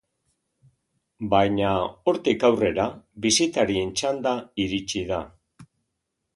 Baina, hortik aurrera, bisitarien txanda iritsi da.